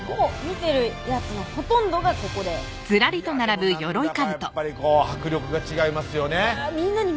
見てるやつのほとんどがここでいやでもなんだかやっぱりこう迫力が違いますよね